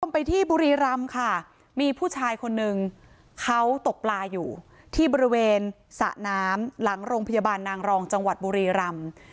ไปที่บุรีรำค่ะมีผู้ชายคนนึงเขาตกปลาอยู่ที่บริเวณสระน้ำหลังโรงพยาบาลนางรองจังหวัดบุรีรำ